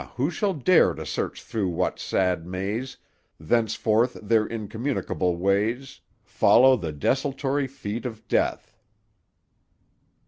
who shall dare to search through what sad maze Thenceforth their incommunicable ways Follow the desultory feet of Death?"